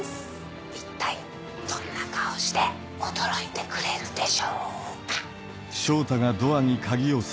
一体どんな顔して驚いてくれるでしょうか？